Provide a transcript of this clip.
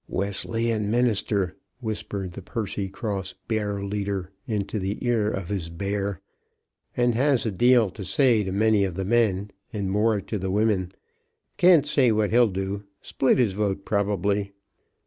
"Wesleyan minister," whispered the Percycross bear leader into the ear of his bear; "and has a deal to say to many of the men, and more to the women. Can't say what he'll do; split his vote, probably."